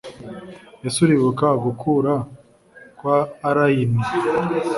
ese uribuka gukura kwa allayne?